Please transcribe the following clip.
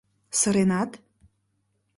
Сыренат...